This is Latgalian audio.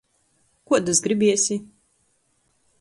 Kuodys gribiesi?